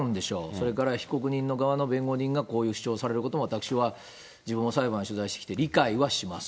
それから被告人の側の弁護人がこういう主張をされることも、私は自分も裁判を取材してきて理解はします。